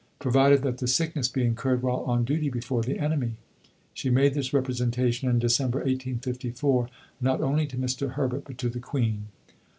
provided that the sickness be incurred while on duty before the enemy. She made this representation in December 1854, not only to Mr. Herbert, but to the Queen.